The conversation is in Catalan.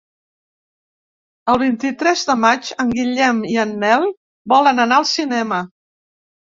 El vint-i-tres de maig en Guillem i en Nel volen anar al cinema.